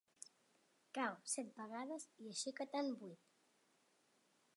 Cau set vegades i aixeca-te'n vuit.